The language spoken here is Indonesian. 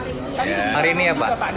hari ini ya pak